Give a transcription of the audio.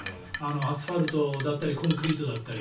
アスファルトだったりコンクリートだったり。